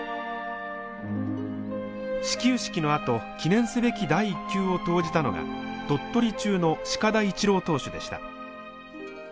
始球式のあと記念すべき第１球を投じたのが鳥取中の鹿田一郎投手でした。